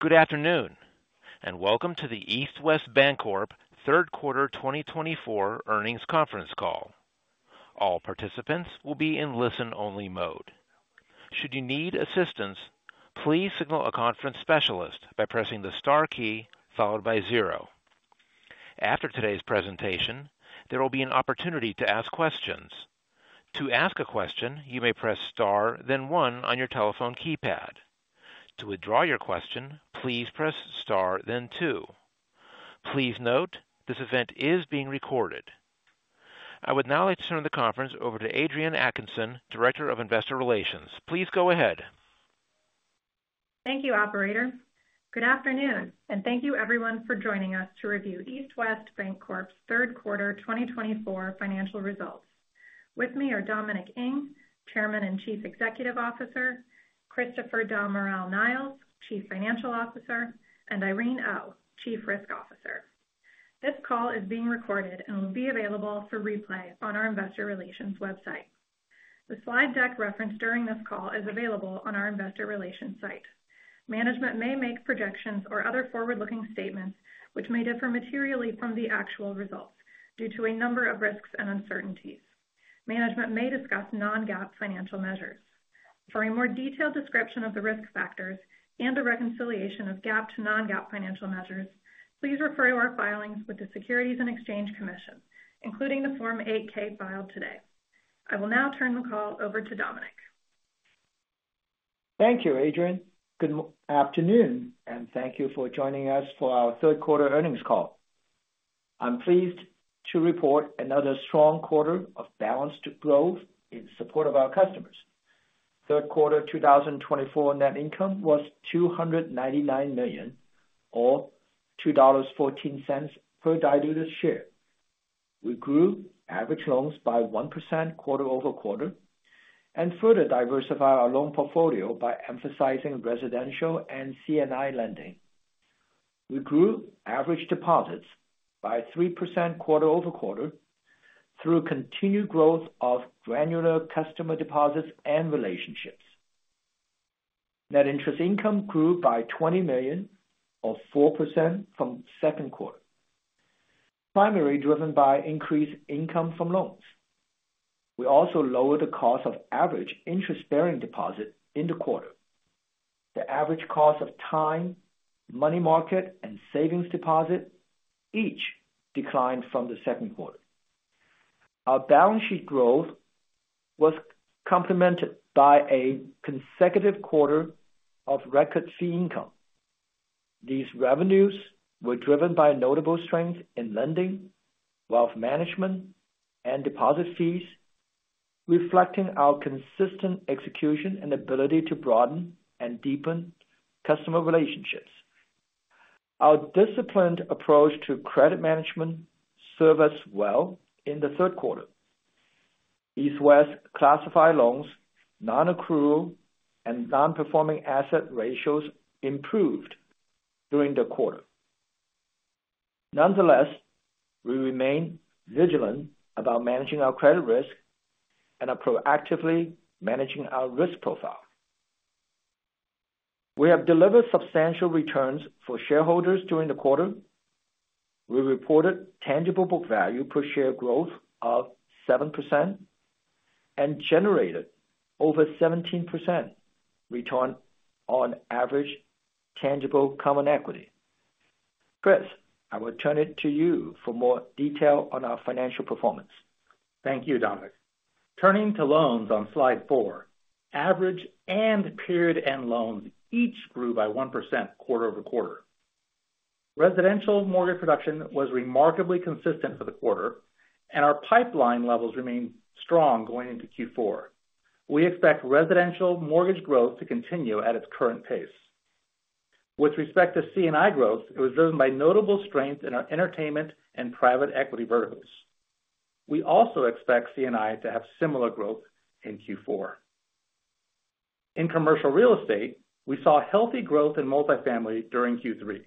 Good afternoon, and welcome to the East West Bancorp third quarter twenty twenty-four earnings conference call. All participants will be in listen-only mode. Should you need assistance, please signal a conference specialist by pressing the star key followed by zero. After today's presentation, there will be an opportunity to ask questions. To ask a question, you may press star, then one on your telephone keypad. To withdraw your question, please press star then two. Please note, this event is being recorded. I would now like to turn the conference over to Adrienne Atkinson, Director of Investor Relations. Please go ahead. Thank you, operator. Good afternoon, and thank you everyone for joining us to review East West Bancorp's third quarter 2024 financial results. With me are Dominic Ng, Chairman and Chief Executive Officer, Christopher Del Moral-Niles, Chief Financial Officer, and Irene Oh, Chief Risk Officer. This call is being recorded and will be available for replay on our investor relations website. The slide deck referenced during this call is available on our investor relations site. Management may make projections or other forward-looking statements which may differ materially from the actual results due to a number of risks and uncertainties. Management may discuss non-GAAP financial measures. For a more detailed description of the risk factors and a reconciliation of GAAP to non-GAAP financial measures, please refer to our filings with the Securities and Exchange Commission, including the Form 8-K filed today. I will now turn the call over to Dominic. Thank you, Adrienne. Good afternoon, and thank you for joining us for our third quarter earnings call. I'm pleased to report another strong quarter of balanced growth in support of our customers. Third quarter of 2024 net income was $299 million, or $2.14 per diluted share. We grew average loans by 1% quarter over quarter, and further diversified our loan portfolio by emphasizing residential and C&I lending. We grew average deposits by 3% quarter over quarter through continued growth of granular customer deposits and relationships. Net interest income grew by $20 million, or 4% from second quarter, primarily driven by increased income from loans. We also lowered the cost of average interest-bearing deposits in the quarter. The average cost of time, money market, and savings deposit each declined from the second quarter. Our balance sheet growth was complemented by a consecutive quarter of record fee income. These revenues were driven by notable strength in lending, wealth management, and deposit fees, reflecting our consistent execution and ability to broaden and deepen customer relationships. Our disciplined approach to credit management served us well in the third quarter. East West classified loans, non-accrual, and non-performing asset ratios improved during the quarter. Nonetheless, we remain vigilant about managing our credit risk and are proactively managing our risk profile. We have delivered substantial returns for shareholders during the quarter. We reported tangible book value per share growth of 7% and generated over 17% return on average tangible common equity. Chris, I will turn it to you for more detail on our financial performance. Thank you, Dominic. Turning to loans on slide four, average and period-end loans each grew by 1% quarter-over-quarter. Residential mortgage production was remarkably consistent for the quarter, and our pipeline levels remain strong going into Q4. We expect residential mortgage growth to continue at its current pace. With respect to C&I growth, it was driven by notable strength in our entertainment and private equity verticals. We also expect C&I to have similar growth in Q4. In commercial real estate, we saw healthy growth in multifamily during Q3.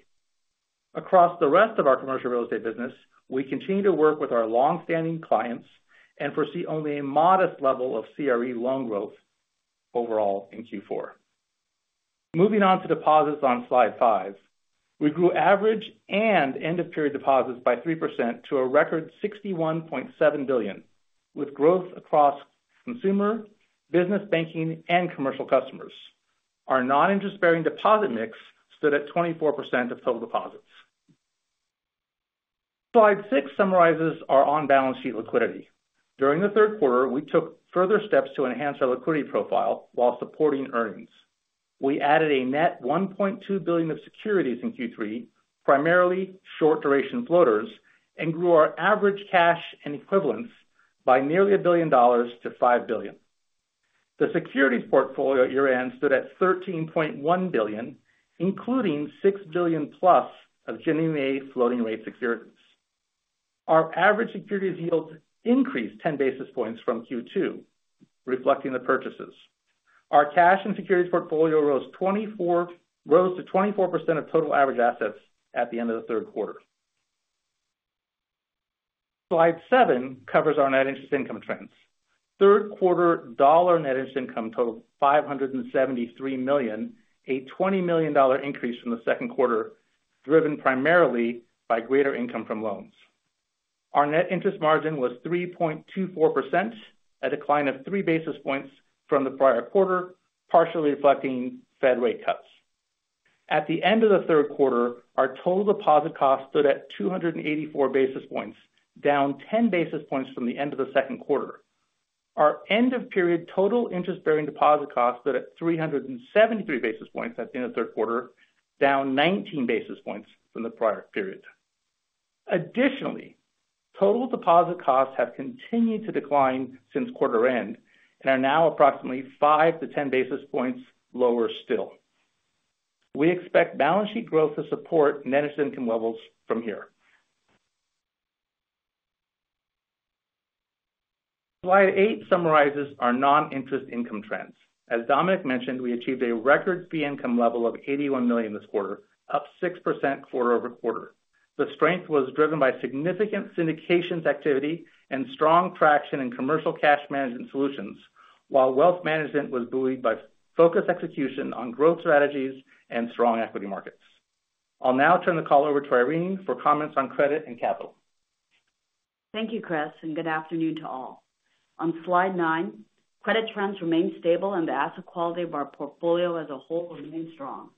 Across the rest of our commercial real estate business, we continue to work with our long-standing clients and foresee only a modest level of CRE loan growth overall in Q4. Moving on to deposits on slide five. We grew average and end-of-period deposits by 3% to a record $61.7 billion, with growth across consumer, business banking, and commercial customers. Our non-interest-bearing deposit mix stood at 24% of total deposits. Slide six summarizes our on-balance sheet liquidity. During the third quarter, we took further steps to enhance our liquidity profile while supporting earnings. We added a net $1.2 billion of securities in Q3, primarily short-duration floaters, and grew our average cash and equivalents by nearly a billion dollars to $5 billion. The securities portfolio at year-end stood at $13.1 billion, including six billion plus of Ginnie Mae floating rate securities. Our average securities yield increased 10 basis points from Q2, reflecting the purchases. Our cash and securities portfolio rose to 24% of total average assets at the end of the third quarter. Slide seven covers our net interest income trends. Third quarter dollar net interest income totaled $573 million, a $20 million increase from the second quarter, driven primarily by greater income from loans. Our net interest margin was 3.24%, a decline of three basis points from the prior quarter, partially reflecting Fed rate cuts. At the end of the third quarter, our total deposit costs stood at 284 basis points, down 10 basis points from the end of the second quarter. Our end-of-period total interest-bearing deposit costs stood at 373 basis points at the end of the third quarter, down 19 basis points from the prior period. Additionally, total deposit costs have continued to decline since quarter end and are now approximately 5-10 basis points lower still. We expect balance sheet growth to support net interest income levels from here. Slide eight summarizes our non-interest income trends. As Dominic mentioned, we achieved a record fee income level of $81 million this quarter, up 6% quarter over quarter. The strength was driven by significant syndications activity and strong traction in commercial cash management solutions, while wealth management was buoyed by focused execution on growth strategies and strong equity markets. I'll now turn the call over to Irene for comments on credit and capital. Thank you, Chris, and good afternoon to all. On slide nine, credit trends remain stable and the asset quality of our portfolio as a whole remains strong.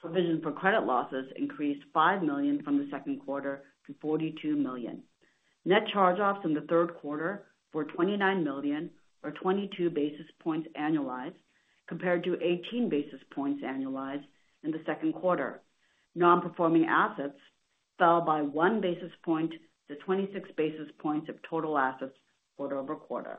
Provision for credit losses increased $5 million from the second quarter to $42 million. Net charge-offs in the third quarter were $29 million or 22 basis points annualized, compared to 18 basis points annualized in the second quarter. Non-performing assets fell by one basis point to 26 basis points of total assets quarter-over-quarter.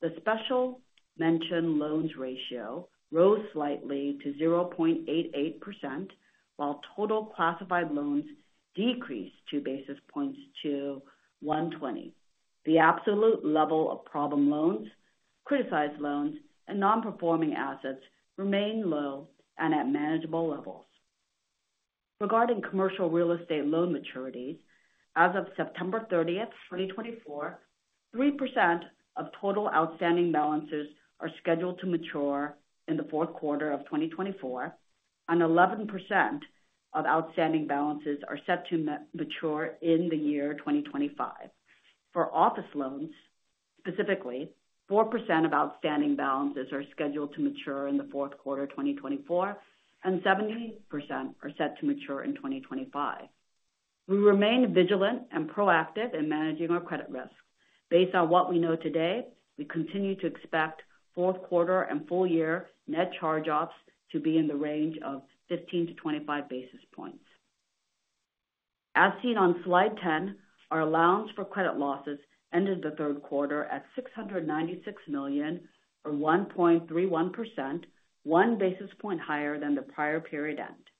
The special mention loans ratio rose slightly to 0.88%, while total classified loans decreased two basis points to 1.20%. The absolute level of problem loans, criticized loans, and non-performing assets remain low and at manageable levels. Regarding commercial real estate loan maturities, as of September 30th, 2024, 3% of total outstanding balances are scheduled to mature in the fourth quarter of 2024, and 11% of outstanding balances are set to mature in the year 2025. For office loans, specifically, 4% of outstanding balances are scheduled to mature in the fourth quarter of 2024, and 17% are set to mature in 2025. We remain vigilant and proactive in managing our credit risk. Based on what we know today, we continue to expect fourth quarter and full year net charge-offs to be in the range of fifteen to 25 basis points. As seen on slide 10, our allowance for credit losses ended the third quarter at $696 million, or 1.31%, 1 basis point higher than the prior period end.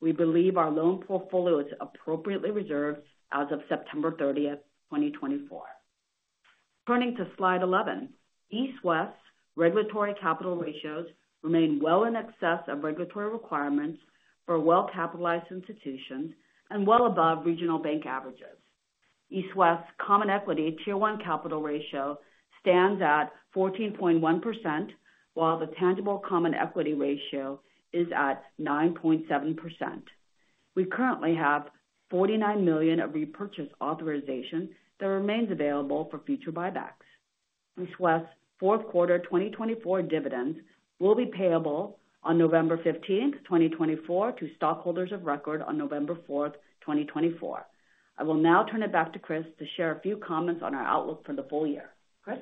We believe our loan portfolio is appropriately reserved as of September 30th, 2024. Turning to slide eleven, East West's regulatory capital ratios remain well in excess of regulatory requirements for well-capitalized institutions and well above regional bank averages. East West's Common Equity Tier 1 capital ratio stands at 14.1%, while the tangible common equity ratio is at 9.7%. We currently have $49 million of repurchase authorization that remains available for future buybacks. East West's fourth quarter 2024 dividends will be payable on November 15th, 2024, to stockholders of record on November 4th, 2024. I will now turn it back to Chris to share a few comments on our outlook for the full year. Chris?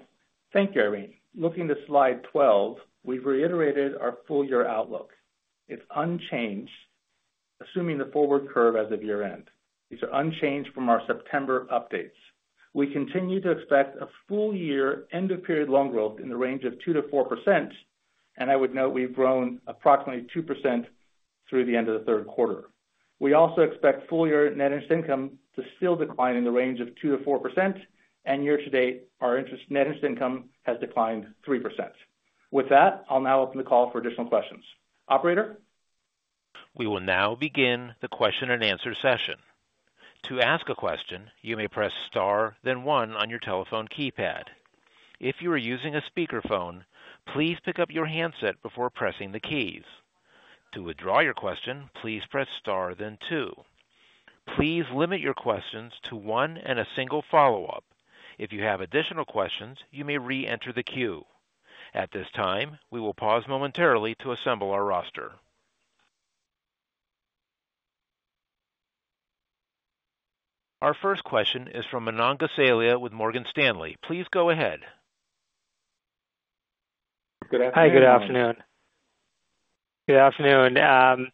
Thank you, Irene. Looking to slide 12, we've reiterated our full-year outlook. It's unchanged, assuming the forward curve as of year-end. These are unchanged from our September updates. We continue to expect a full-year end-of-period loan growth in the range of 2%-4%, and I would note we've grown approximately 2% through the end of the third quarter. We also expect full-year net interest income to still decline in the range of 2%-4%, and year-to-date, our net interest income has declined 3%. With that, I'll now open the call for additional questions. Operator? We will now begin the question-and-answer session. To ask a question, you may press star, then one on your telephone keypad. If you are using a speakerphone, please pick up your handset before pressing the keys. To withdraw your question, please press star, then two. Please limit your questions to one and a single follow-up. If you have additional questions, you may reenter the queue. At this time, we will pause momentarily to assemble our roster. Our first question is from Manan Gosalia with Morgan Stanley. Please go ahead. Good afternoon. Hi, good afternoon. Good afternoon.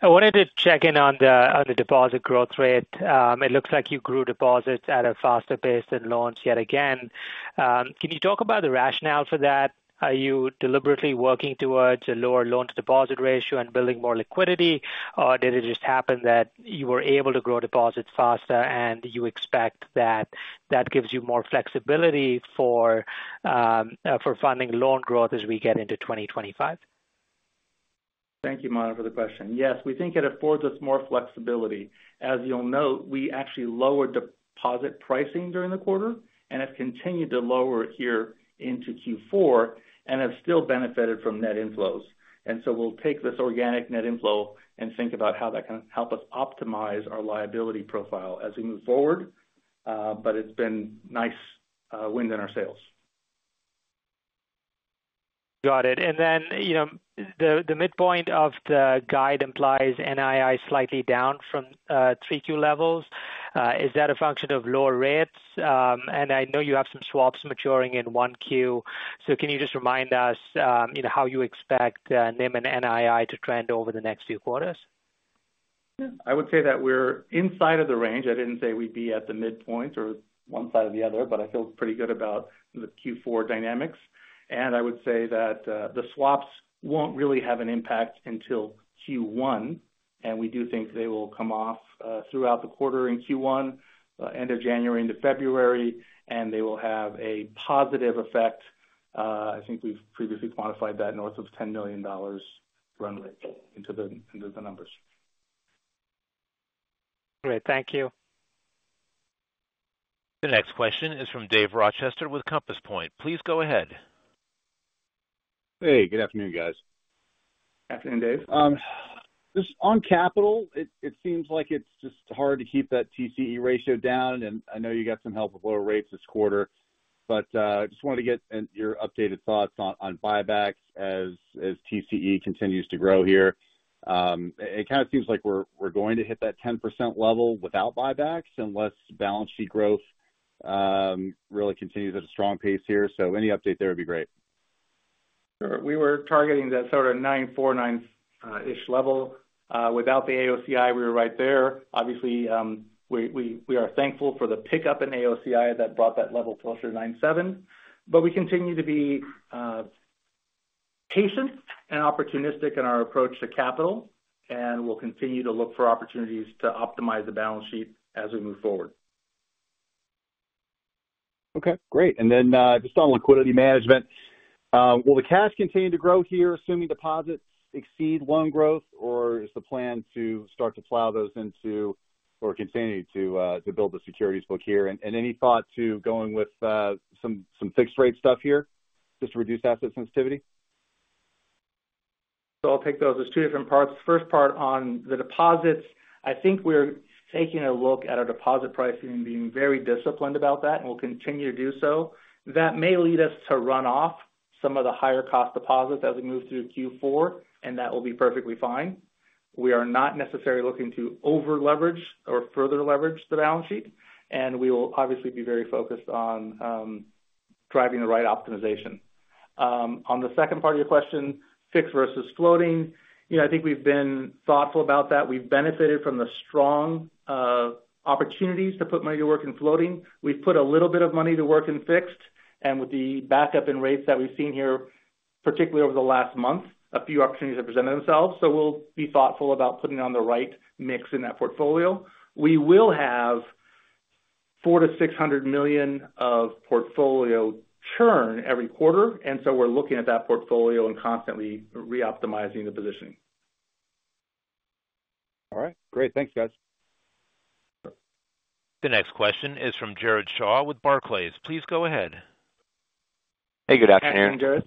I wanted to check in on the deposit growth rate. It looks like you grew deposits at a faster pace than loans yet again. Can you talk about the rationale for that? Are you deliberately working towards a lower loan-to-deposit ratio and building more liquidity? Or did it just happen that you were able to grow deposits faster and you expect that that gives you more flexibility for funding loan growth as we get into 2025? Thank you, Manan, for the question. Yes, we think it affords us more flexibility. As you'll note, we actually lowered deposit pricing during the quarter and have continued to lower it here into Q4 and have still benefited from net inflows. And so we'll take this organic net inflow and think about how that can help us optimize our liability profile as we move forward. But it's been nice wind in our sails. Got it. And then, you know, the midpoint of the guide implies NII slightly down from 3Q levels. Is that a function of lower rates? And I know you have some swaps maturing in 1Q. So can you just remind us, you know, how you expect NIM and NII to trend over the next few quarters? Yeah. I would say that we're inside of the range. I didn't say we'd be at the midpoint or one side or the other, but I feel pretty good about the Q4 dynamics. And I would say that the swaps won't really have an impact until Q1, and we do think they will come off throughout the quarter in Q1, end of January into February, and they will have a positive effect. I think we've previously quantified that north of $10 million runway into the numbers. Great. Thank you. The next question is from Dave Rochester with Compass Point. Please go ahead. Hey, good afternoon, guys. Afternoon, Dave. Just on capital, it seems like it's just hard to keep that TCE ratio down, and I know you got some help with lower rates this quarter, but just wanted to get your updated thoughts on buybacks as TCE continues to grow here. It kind of seems like we're going to hit that 10% level without buybacks, unless balance sheet growth really continues at a strong pace here. So any update there would be great. Sure. We were targeting that sort of 9-4, nine-ish level. Without the AOCI, we were right there. Obviously, we are thankful for the pickup in AOCI that brought that level closer to nine seven. We continue to be patient and opportunistic in our approach to capital, and we'll continue to look for opportunities to optimize the balance sheet as we move forward. Okay, great. And then, just on liquidity management, will the cash continue to grow here, assuming deposits exceed loan growth, or is the plan to start to plow those into or continue to build the securities book here? And any thought to going with some fixed rate stuff here just to reduce asset sensitivity? So I'll take those as two different parts. First part on the deposits. I think we're taking a look at our deposit pricing and being very disciplined about that, and we'll continue to do so. That may lead us to run off some of the higher cost deposits as we move through Q4, and that will be perfectly fine. We are not necessarily looking to over leverage or further leverage the balance sheet, and we will obviously be very focused on driving the right optimization. On the second part of your question, fixed versus floating. You know, I think we've been thoughtful about that. We've benefited from the strong opportunities to put money to work in floating. We've put a little bit of money to work in fixed, and with the backup in rates that we've seen here, particularly over the last month, a few opportunities have presented themselves. So we'll be thoughtful about putting on the right mix in that portfolio. We will have $400 million-$600 million of portfolio churn every quarter, and so we're looking at that portfolio and constantly reoptimizing the positioning. All right, great. Thank you, guys. The next question is from Jared Shaw with Barclays. Please go ahead. Hey, good afternoon. Good afternoon, Jared.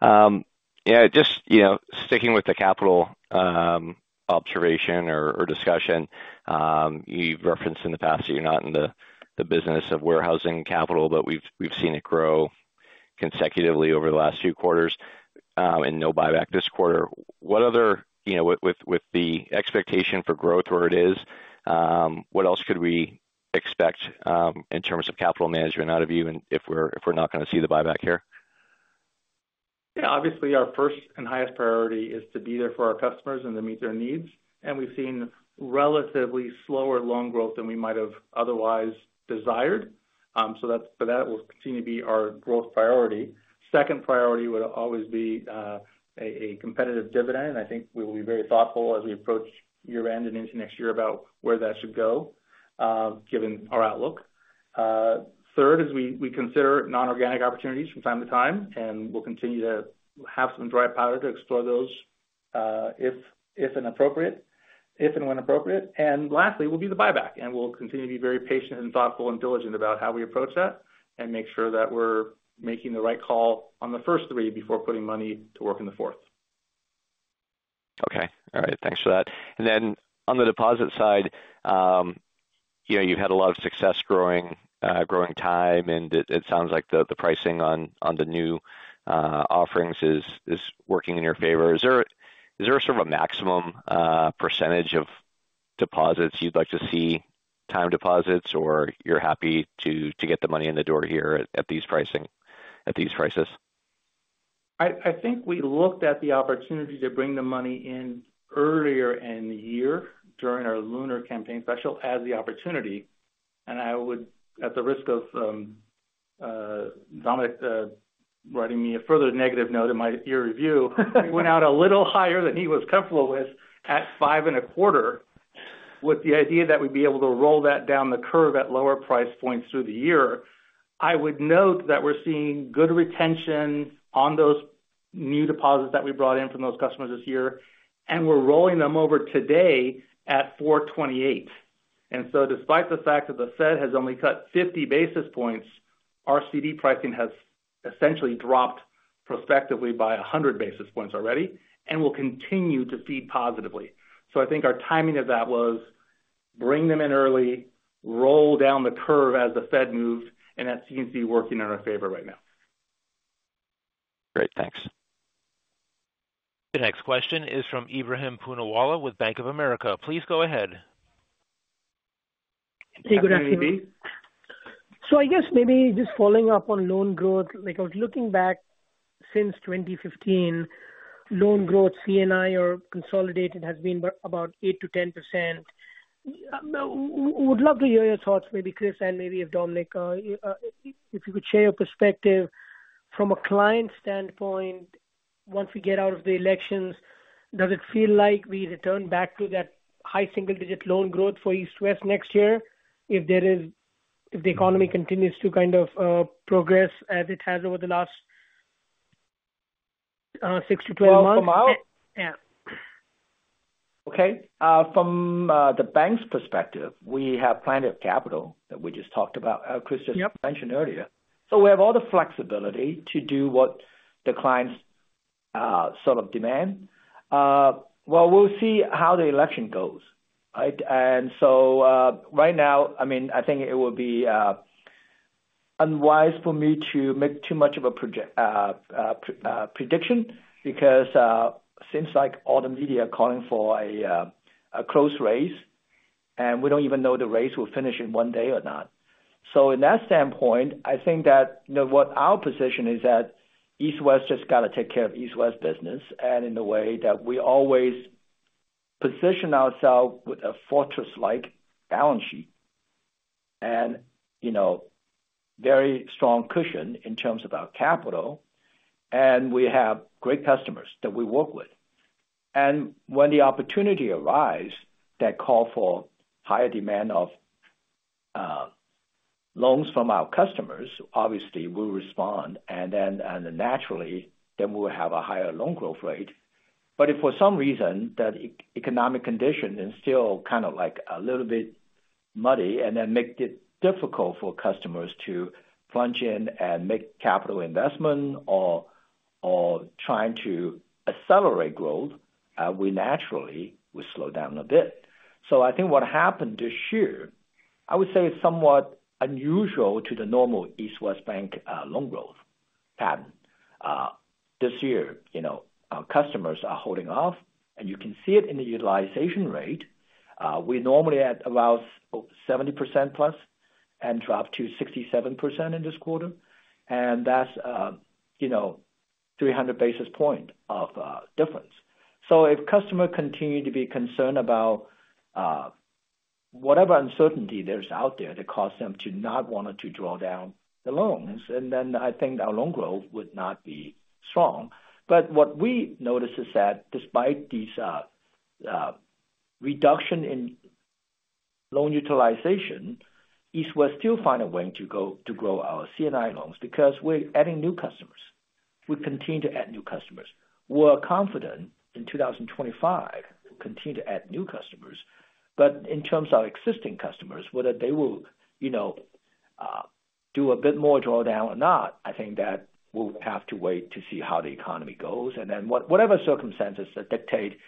Thanks. Yeah, just, you know, sticking with the capital observation or discussion. You've referenced in the past that you're not in the business of warehousing capital, but we've seen it grow consecutively over the last few quarters, and no buyback this quarter. What other... You know, with the expectation for growth where it is, what else could we expect in terms of capital management out of you, and if we're not going to see the buyback here? Yeah, obviously, our first and highest priority is to be there for our customers and to meet their needs, and we've seen relatively slower loan growth than we might have otherwise desired. So that will continue to be our growth priority. Second priority would always be a competitive dividend, and I think we will be very thoughtful as we approach year-end and into next year about where that should go, given our outlook. Third is we consider non-organic opportunities from time to time, and we'll continue to have some dry powder to explore those, if and when appropriate. Lastly, will be the buyback, and we'll continue to be very patient and thoughtful and diligent about how we approach that and make sure that we're making the right call on the first three before putting money to work in the fourth. Okay. All right, thanks for that. And then on the deposit side, you know, you've had a lot of success growing, growing time, and it sounds like the pricing on the new offerings is working in your favor. Is there a sort of a maximum percentage of deposits you'd like to see time deposits, or you're happy to get the money in the door here at these pricing- at these prices? I think we looked at the opportunity to bring the money in earlier in the year during our Lunar campaign special as the opportunity, and I would, at the risk of, Dominic, writing me a further negative note in my year review, we went out a little higher than he was comfortable with at 5.25... with the idea that we'd be able to roll that down the curve at lower price points through the year. I would note that we're seeing good retention on those new deposits that we brought in from those customers this year, and we're rolling them over today at 4.28. So despite the fact that the Fed has only cut 50 basis points, our CD pricing has essentially dropped prospectively by 100 basis points already and will continue to feed positively. So I think our timing of that was bring them in early, roll down the curve as the Fed moves, and that seems to be working in our favor right now. Great, thanks. The next question is from Ebrahim Poonawala with Bank of America. Please go ahead. Hey, good afternoon. Good afternoon, EB. So I guess maybe just following up on loan growth, like I was looking back since 2015, loan growth, C&I or consolidated, has been about 8%-10%. Would love to hear your thoughts, maybe Chris, and maybe if Dominic, if you could share your perspective from a client standpoint, once we get out of the elections, does it feel like we return back to that high single digit loan growth for East West next year, if there is, if the economy continues to kind of progress as it has over the last six to 12 months? From that amount? Yeah. Okay, from the bank's perspective, we have plenty of capital that we just talked about, Chris just- Yep... mentioned earlier, so we have all the flexibility to do what the clients, sort of demand, well, we'll see how the election goes, right? And so, right now, I mean, I think it would be unwise for me to make too much of a prediction, because seems like all the media are calling for a close race, and we don't even know the race will finish in one day or not, so in that standpoint, I think that, you know, what our position is that East West just got to take care of East West business, and in a way that we always position ourselves with a fortress-like balance sheet and, you know, very strong cushion in terms of our capital, and we have great customers that we work with. When the opportunity arise, that call for higher demand of loans from our customers, obviously we'll respond, and then, and naturally, then we'll have a higher loan growth rate. If for some reason, that economic condition is still kind of like a little bit muddy and then make it difficult for customers to function and make capital investment or trying to accelerate growth, we naturally will slow down a bit. I think what happened this year, I would say it's somewhat unusual to the normal East West Bank loan growth pattern. This year, you know, our customers are holding off, and you can see it in the utilization rate. We normally at about 70%+ and drop to 67% in this quarter, and that's, you know, 300 basis point of a difference. If customer continue to be concerned about whatever uncertainty there is out there, that cause them to not want to draw down the loans, and then I think our loan growth would not be strong. What we noticed is that despite this reduction in loan utilization, East West still find a way to grow our C&I loans, because we're adding new customers. We continue to add new customers. We're confident in 2025, we'll continue to add new customers. In terms of existing customers, whether they will, you know, do a bit more drawdown or not, I think that we'll have to wait to see how the economy goes, and then whatever circumstances that dictate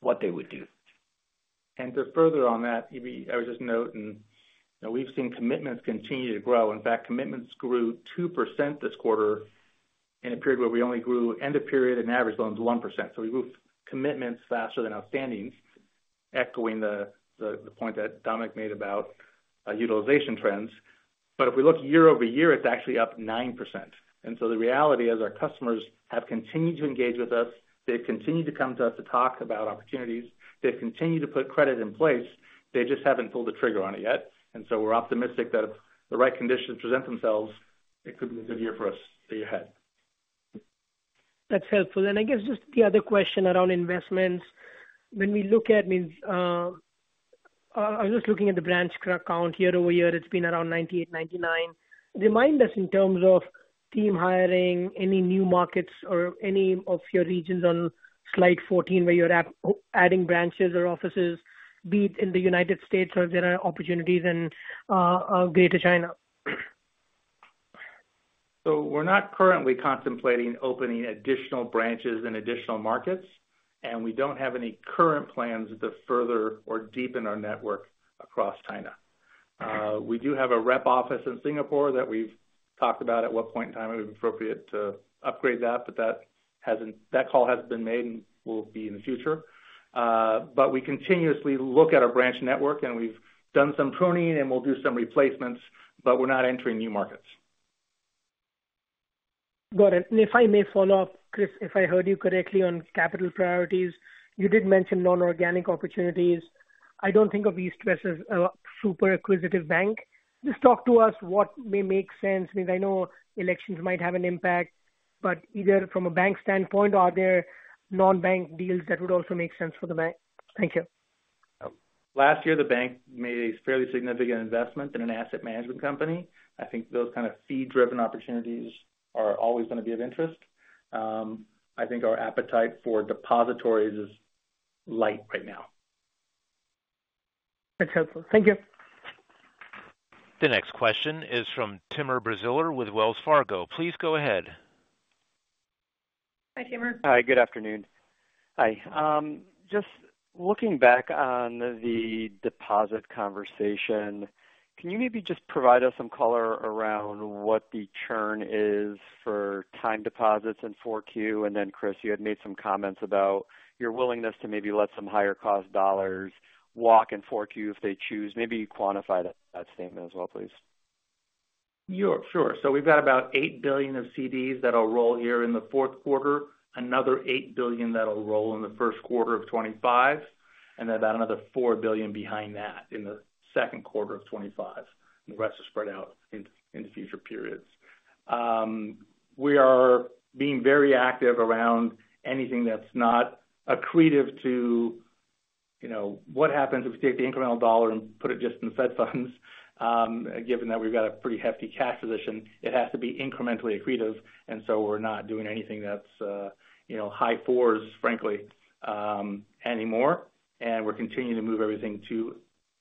what they would do. And just further on that, EB, I would just note, and we've seen commitments continue to grow. In fact, commitments grew 2% this quarter in a period where we only grew end of period and average loans 1%. So we grew commitments faster than out standings, echoing the point that Dominic made about utilization trends. But if we look year-over-year, it's actually up 9%. And so the reality is our customers have continued to engage with us. They've continued to come to us to talk about opportunities. They've continued to put credit in place. They just haven't pulled the trigger on it yet. And so we're optimistic that if the right conditions present themselves, it could be a good year for us the year ahead. That's helpful. And I guess just the other question around investments. When we look at, I mean, I was just looking at the branch count year-over-year, it's been around 98, 99. Remind us in terms of team hiring, any new markets or any of your regions on slide 14, where you're at adding branches or offices, be it in the United States or if there are opportunities in greater China. So we're not currently contemplating opening additional branches in additional markets, and we don't have any current plans to further or deepen our network across China. We do have a rep office in Singapore that we've talked about at what point in time it would be appropriate to upgrade that, but that call hasn't been made and will be in the future. But we continuously look at our branch network, and we've done some pruning, and we'll do some replacements, but we're not entering new markets. Got it. And if I may follow up, Chris, if I heard you correctly on capital priorities, you did mention non-organic opportunities. I don't think of East West as a super acquisitive bank. Just talk to us what may make sense. I mean, I know elections might have an impact but either, from a bank standpoint, are there non-bank deals that would also make sense for the bank? Thank you. Last year, the bank made a fairly significant investment in an asset management company. I think those kind of fee-driven opportunities are always going to be of interest. I think our appetite for depositories is light right now. That's helpful. Thank you. The next question is from Timur Braziller with Wells Fargo. Please go ahead. Hi, Timur. Hi, good afternoon. Hi. Just looking back on the deposit conversation, can you maybe just provide us some color around what the churn is for time deposits in 4Q? And then, Chris, you had made some comments about your willingness to maybe let some higher-cost dollars walk in 4Q if they choose. Maybe you quantify that, that statement as well, please. Yeah, sure. So we've got about $8 billion of CDs that'll roll here in the fourth quarter, another $8 billion that'll roll in the first quarter of 2025, and then about another $4 billion behind that in the second quarter of 2025. The rest is spread out in the future periods. We are being very active around anything that's not accretive to, you know, what happens if we take the incremental dollar and put it just in the Fed funds? Given that we've got a pretty hefty cash position, it has to be incrementally accretive, and so we're not doing anything that's, you know, high fours, frankly, anymore. And we're continuing to move everything to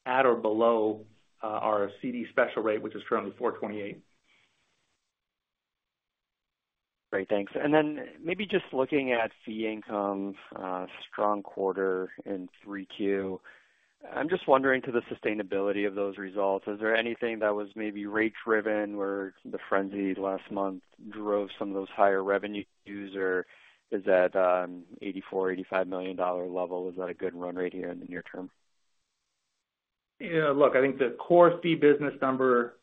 at or below our CD special rate, which is currently 4.28%. Great, thanks. And then maybe just looking at fee income, strong quarter in 3Q. I'm just wondering about the sustainability of those results, is there anything that was maybe rate driven, where the frenzy last month drove some of those higher revenues, or is that $84-$85 million level, is that a good run rate here in the near term? Yeah, look, I think the core fee business number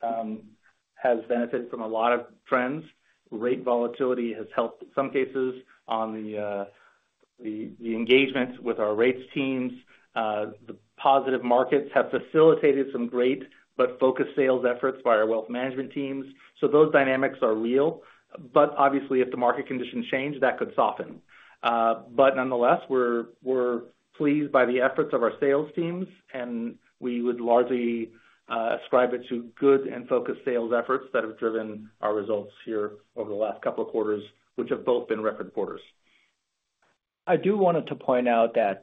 has benefited from a lot of trends. Rate volatility has helped in some cases on the engagements with our rates teams. The positive markets have facilitated some great but focused sales efforts by our wealth management teams. So those dynamics are real. But obviously, if the market conditions change, that could soften. But nonetheless, we're pleased by the efforts of our sales teams, and we would largely ascribe it to good and focused sales efforts that have driven our results here over the last couple of quarters, which have both been record quarters. I do wanted to point out that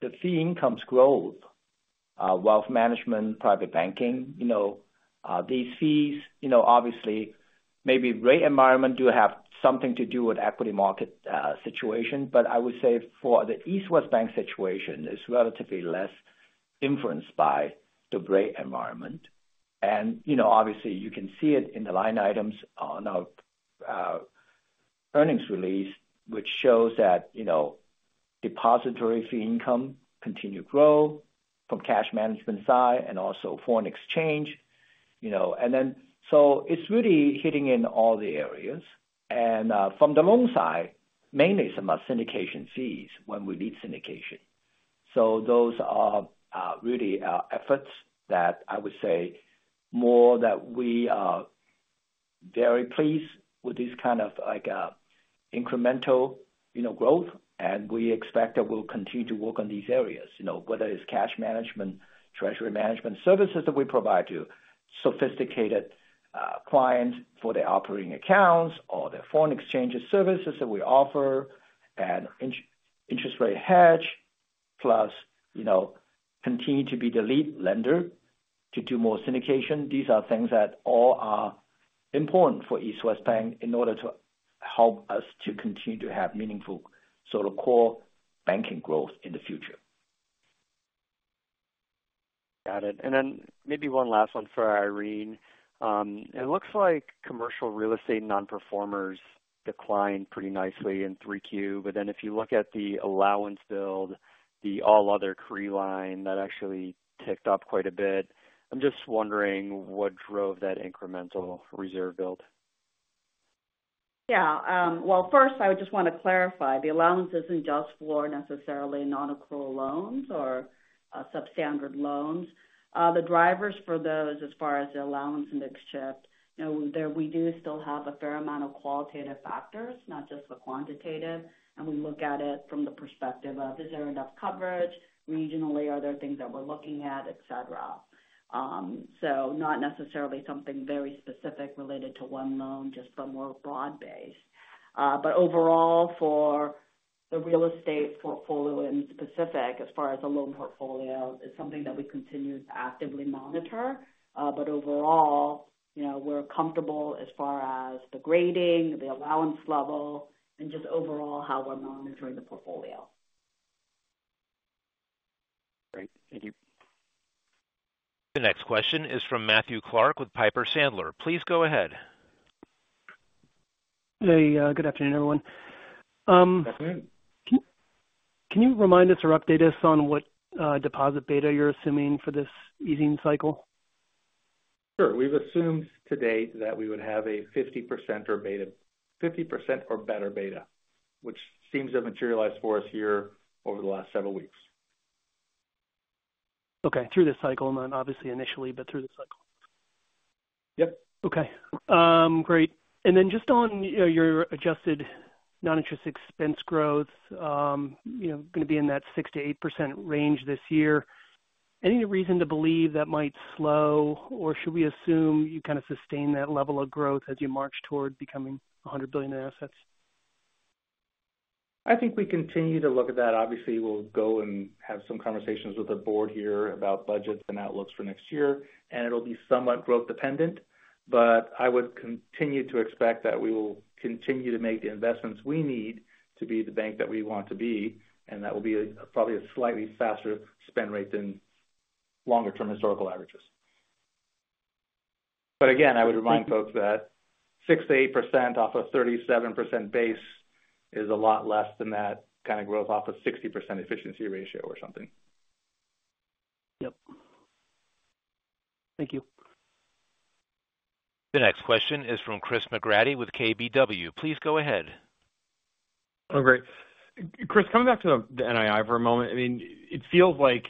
the fee income's growth, wealth management, private banking, you know, these fees, you know, obviously may be rate environment do have something to do with equity market situation. But I would say for the East West Bank situation, it's relatively less influenced by the rate environment. And you know, obviously, you can see it in the line items on our earnings release, which shows that you know, depository fee income continue to grow from cash management side and also foreign exchange, you know. And from the loan side, mainly some syndication fees when we lead syndication. So those are really our efforts that I would say more that we are very pleased with this kind of like incremental, you know, growth, and we expect that we'll continue to work on these areas, you know, whether it's cash management, treasury management services that we provide to sophisticated clients for their operating accounts or their foreign exchange services that we offer, and interest rate hedge, plus, you know, continue to be the lead lender to do more syndication. These are things that all are important for East West Bank in order to help us to continue to have meaningful sort of core banking growth in the future. Got it. And then maybe one last one for Irene. It looks like commercial real estate non-performers declined pretty nicely in 3Q. But then if you look at the allowance build, the all-other CRE line, that actually ticked up quite a bit. I'm just wondering what drove that incremental reserve build? Yeah, well, first, I would just want to clarify. The allowance isn't just for necessarily non-accrual loans or substandard loans. The drivers for those as far as the allowance mix shift, you know, there we do still have a fair amount of qualitative factors, not just the quantitative, and we look at it from the perspective of, is there enough coverage regionally? Are there things that we're looking at, et cetera? So not necessarily something very specific related to one loan, just a more broad-based. But overall, for the real estate portfolio in specific, as far as the loan portfolio, it's something that we continue to actively monitor. But overall, you know, we're comfortable as far as the grading, the allowance level, and just overall how we're monitoring the portfolio. Great. Thank you. The next question is from Matthew Clark with Piper Sandler. Please go ahead. Hey, good afternoon, everyone. Afternoon. Can you remind us or update us on what deposit beta you're assuming for this easing cycle? Sure. We've assumed to date that we would have a 50% or better beta, which seems to have materialized for us here over the last several weeks. Okay, through this cycle, not obviously initially, but through the cycle? Yep. Okay. Great. And then just on, you know, your adjusted non-interest expense growth, you know, going to be in that 6%-8% range this year. Any reason to believe that might slow, or should we assume you kind of sustain that level of growth as you march toward becoming a $100 billion in assets? I think we continue to look at that. Obviously, we'll go and have some conversations with our board here about budgets and outlooks for next year, and it'll be somewhat growth dependent, but I would continue to expect that we will continue to make the investments we need to be the bank that we want to be, and that will be probably a slightly faster spend rate than longer-term historical averages. But again, I would remind folks that 6%-8% off of 37% base is a lot less than that kind of growth off of 60% efficiency ratio or something. Yep. Thank you. The next question is from Chris McGratty with KBW. Please go ahead. Oh, great. Chris, coming back to the NII for a moment, I mean, it feels like,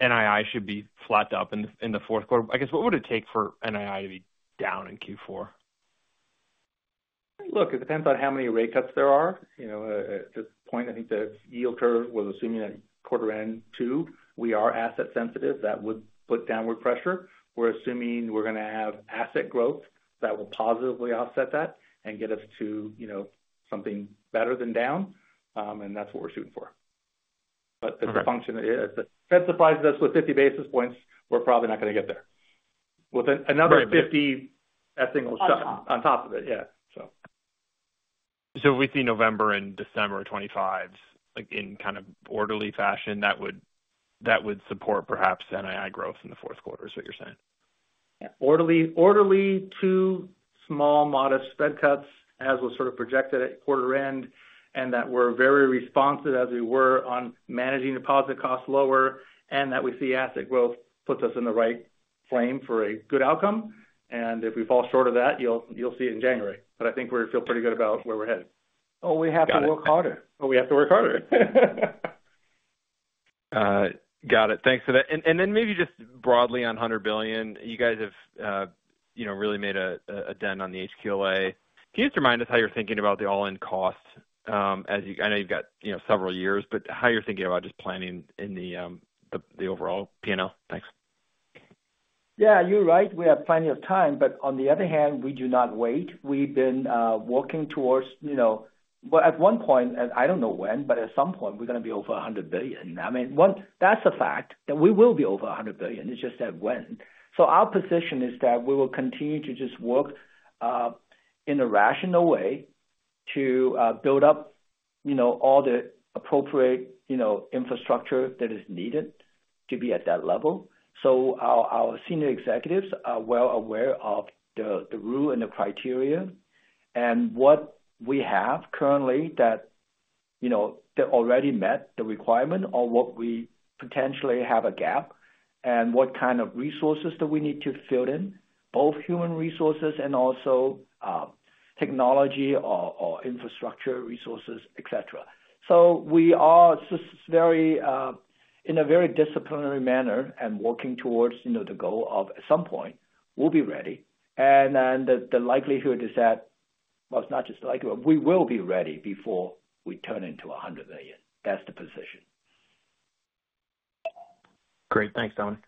NII should be flat up in the fourth quarter. I guess, what would it take for NII to be down in Q4? Look, it depends on how many rate cuts there are. You know, at this point, I think the yield curve was assuming at quarter end two. We are asset sensitive. That would put downward pressure. We're assuming we're going to have asset growth that will positively offset that and get us to, you know, something better than down, and that's what we're shooting for. Okay. But the function is, if the Fed supplies us with 50 basis points, we're probably not going to get there. With another 50, I think we'll shut on top of it. Yeah, so. So if we see November and December 2025, like, in kind of orderly fashion, that would support perhaps NII growth in the fourth quarter, is what you're saying? Yeah. Orderly, two small, modest Fed cuts, as was sort of projected at quarter end, and that we're very responsive, as we were on managing deposit costs lower, and that we see asset growth puts us in the right frame for a good outcome. And if we fall short of that, you'll see it in January. But I think we feel pretty good about where we're headed. Oh, we have to work harder. But we have to work harder. Got it. Thanks for that. And then maybe just broadly on $100 billion, you guys have, you know, really made a dent on the HQLA. Can you just remind us how you're thinking about the all-in costs? As you... I know you've got, you know, several years, but how you're thinking about just planning in the overall P&L? Thanks. Yeah, you're right. We have plenty of time, but on the other hand, we do not wait. We've been working towards, you know, but at one point, and I don't know when, but at some point, we're going to be over a hundred billion. I mean, that's a fact, that we will be over a hundred billion. It's just that when. So our position is that we will continue to just work in a rational way to build up, you know, all the appropriate, you know, infrastructure that is needed to be at that level. So our senior executives are well aware of the rule and the criteria and what we have currently that, you know, that already met the requirement or what we potentially have a gap and what kind of resources do we need to fill in, both human resources and also technology or infrastructure resources, et cetera. So we are just very in a very disciplined manner and working towards, you know, the goal of at some point we'll be ready. And then the likelihood is that, well, it's not just the likelihood, we will be ready before we turn into a hundred billion. That's the position. Great. Thanks, Dominic.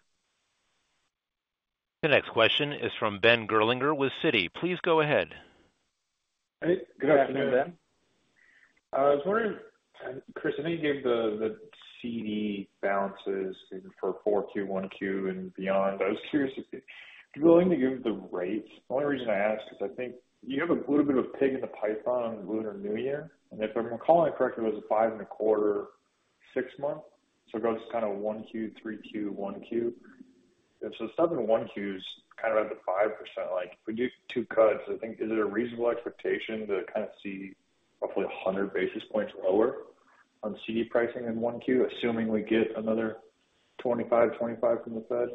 The next question is from Ben Gerlinger with Citi. Please go ahead. Good afternoon, Ben. I was wondering, Chris, I think you gave the CD balances for 4Q, 1Q and beyond. I was curious if you'd be willing to give the rates. The only reason I ask is because I think you have a little bit of pig in the python on Lunar New Year, and if I'm recalling correctly, it was a five and a quarter, six-month. So it goes kind of 1Q, 3Q, 1Q. If so seven 1Q's kind of at the 5%, like, if we do two cuts, I think, is it a reasonable expectation to kind of see hopefully a 100 basis points lower on CD pricing in 1Q, assuming we get another 25, 25 from the Fed?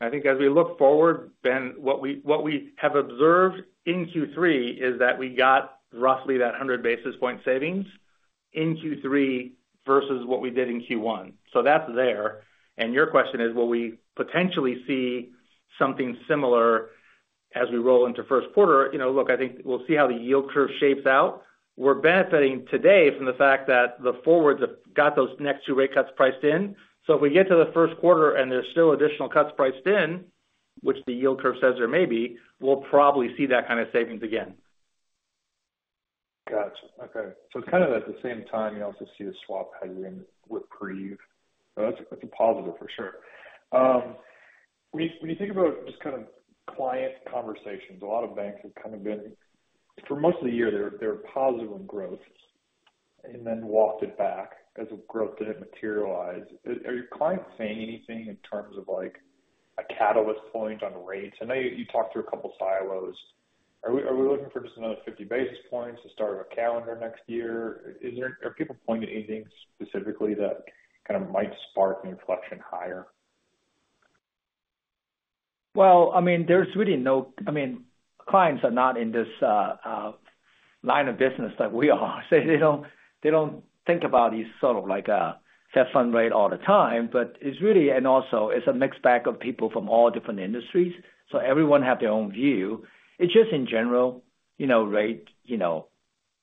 I think as we look forward, Ben, what we have observed in Q3 is that we got roughly 100 basis points savings in Q3 versus what we did in Q1. So that's there. And your question is, will we potentially see something similar as we roll into first quarter? You know, look, I think we'll see how the yield curve shapes out. We're benefiting today from the fact that the forwards have got those next two rate cuts priced in. So if we get to the first quarter and there's still additional cuts priced in, which the yield curve says there may be, we'll probably see that kind of savings again. Gotcha. Okay. So kind of at the same time, you also see the swap hedging with repricing. That's a, that's a positive for sure. When you think about just kind of client conversations, a lot of banks have kind of been, for most of the year, they're positive on growth and then walked it back as the growth didn't materialize. Are your clients saying anything in terms of, like, a catalyst point on rates? I know you talked through a couple of silos. Are we looking for just another 50 basis points to start our calendar next year? Is there, are people pointing to anything specifically that kind of might spark inflection higher? Well, I mean, there's really no. I mean, clients are not in this line of business like we are. So they don't, they don't think about this sort of like a fed funds rate all the time, but it's really and also it's a mixed bag of people from all different industries, so everyone have their own view. It's just in general, you know, rate, you know,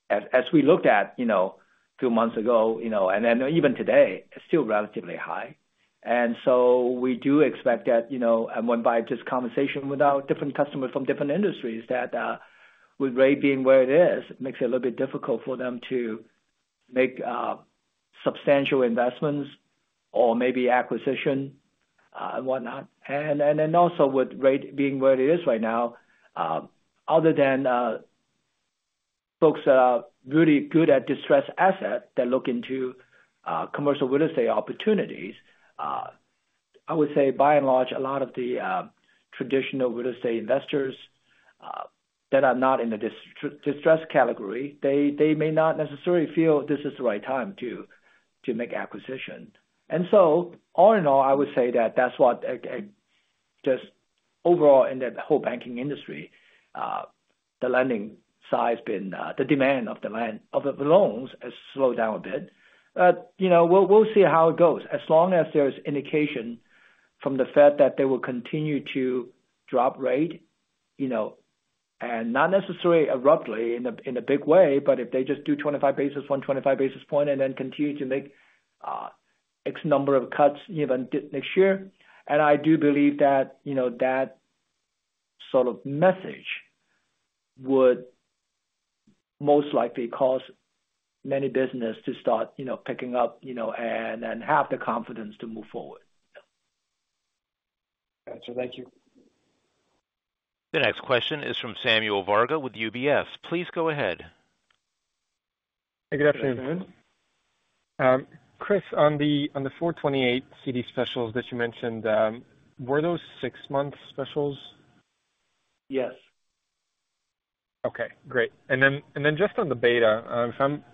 as, as we looked at, you know, two months ago, you know, and then even today, it's still relatively high. And so we do expect that, you know, and based on just conversations with our different customers from different industries, that with rate being where it is, it makes it a little bit difficult for them to make substantial investments or maybe acquisition and whatnot. Then also with rate being where it is right now, other than folks that are really good at distressed assets, they look into commercial real estate opportunities. I would say by and large, a lot of the traditional real estate investors that are not in the distressed category, they may not necessarily feel this is the right time to make acquisitions. And so all in all, I would say that that's what just overall in the whole banking industry, the lending side has been, the demand for the loans has slowed down a bit. But you know, we'll see how it goes. As long as there's indication from the Fed that they will continue to drop rate, you know, and not necessarily abruptly in a big way, but if they just do 25 basis points, 125 basis points, and then continue to make X number of cuts even next year, and I do believe that, you know, that sort of message would most likely cause many business to start, you know, picking up, you know, and have the confidence to move forward. Got you. Thank you. The next question is from Samuel Varga with UBS. Please go ahead. Good afternoon. Chris, on the 4.28 CD specials that you mentioned, were those six-month specials? Yes. Okay, great. And then just on the beta, if I'm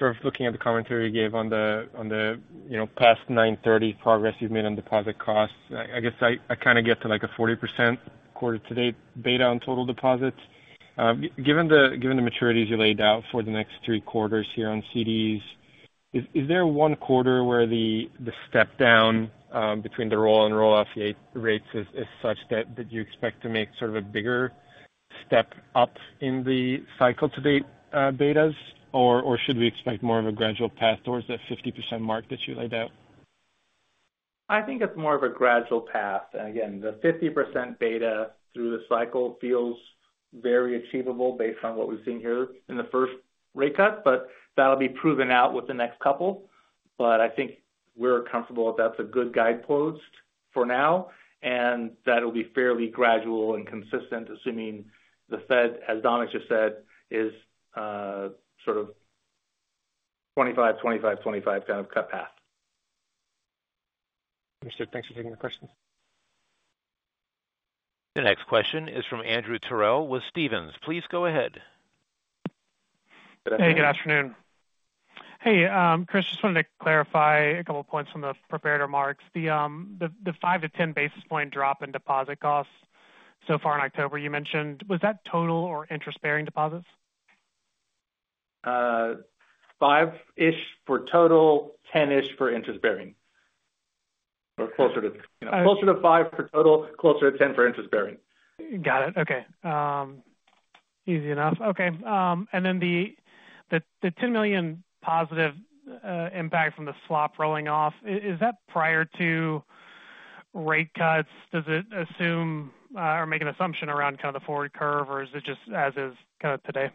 sort of looking at the commentary you gave on the, you know, past 90% progress you've made on deposit costs, I guess I kind of get to, like, a 40% quarter to date beta on total deposits. Given the maturities you laid out for the next three quarters here on CDs, is there one quarter where the step down between the roll and roll off the rates is such that you expect to make sort of a bigger step up in the cycle to date betas? Or should we expect more of a gradual path towards that 50% mark that you laid out? I think it's more of a gradual path. Again, the 50% beta through the cycle feels very achievable based on what we've seen here in the first rate cut, but that'll be proven out with the next couple. But I think we're comfortable that that's a good guidepost for now, and that'll be fairly gradual and consistent, assuming the Fed, as Dominic just said, is sort of 25, 25, 25 kind of cut path. Understood. Thanks for taking the question. The next question is from Andrew Terrell with Stephens. Please go ahead. Hey, good afternoon. Hey, Chris, just wanted to clarify a couple points from the prepared remarks. The five-to-ten basis points drop in deposit costs so far in October, you mentioned. Was that total or interest-bearing deposits? Five-ish for total, ten-ish for interest-bearing. Or closer to- All right. Closer to five for total, closer to ten for interest-bearing. Got it. Okay. Easy enough. Okay, and then the $10 million positive impact from the swap rolling off, is that prior to rate cuts? Does it assume, or make an assumption around kind of the forward curve, or is it just as is kind of today?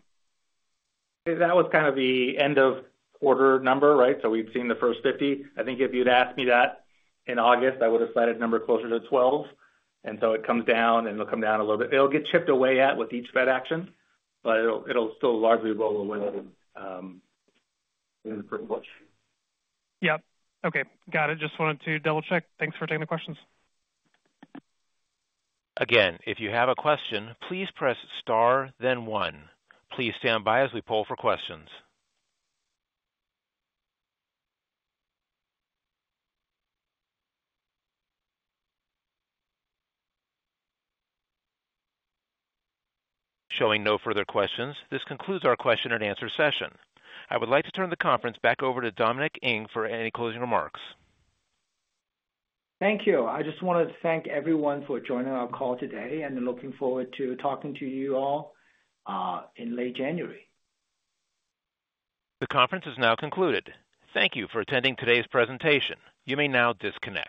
That was kind of the end of quarter number, right? So we've seen the first 50. I think if you'd asked me that in August, I would have cited a number closer to 12, and so it comes down, and it'll come down a little bit. It'll get chipped away at with each Fed action, but it'll, it'll still largely roll away, pretty much. Yeah. Okay, got it. Just wanted to double-check. Thanks for taking the questions. Again, if you have a question, please press star then one. Please stand by as we poll for questions. Showing no further questions, this concludes our question-and-answer session. I would like to turn the conference back over to Dominic Ng for any closing remarks. Thank you. I just wanted to thank everyone for joining our call today, and looking forward to talking to you all in late January. The conference is now concluded. Thank you for attending today's presentation. You may now disconnect.